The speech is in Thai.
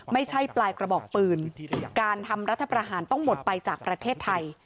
ไม่ใช่ปลายกระบอกปืนการทำรัฐประหารต้องหมดไปจากประเทศไทย